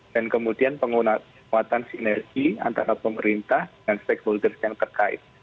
dan kemudian penggunaan kuatan sinergi antara pemerintah dan stakeholders yang terkait